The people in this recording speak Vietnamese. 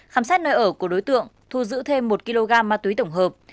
khám xét nơi ở của đối tượng thu giữ thêm một kg ma túy tổng hợp